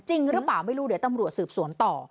จริงหรือเปล่าไม่รู้เดี๋ยวตำรวจสืบสวนต่อ